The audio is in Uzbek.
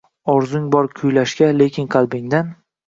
Orzung bor kuylashga, lekin qalbingdan